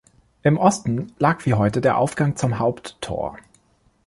Im Osten lag wie heute der Aufgang zum Haupttor.